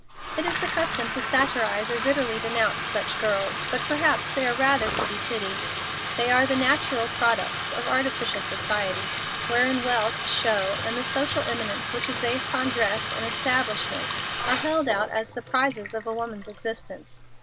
It is the custom to satirize or bitterly denounce such girls, but perhaps they are rather to be pitied. They are the natural products of artificial society, wherein wealth, show, and the social eminence which is based on dress and establishment are held out as the prizes of a woman's existence.